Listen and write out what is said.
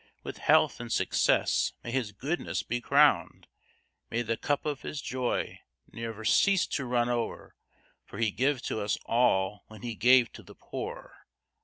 With health and success may his goodness be crown'd: May the cup of his joy never cease to run o'er For he gave to us all when he gave to the poor!